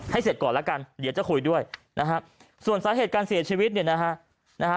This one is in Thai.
เสร็จก่อนแล้วกันเดี๋ยวจะคุยด้วยนะฮะส่วนสาเหตุการเสียชีวิตเนี่ยนะฮะ